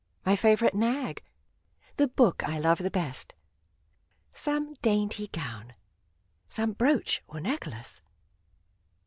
My favorite nag ? The book I love the best ? Some dainty gown ? Some brooch or necklace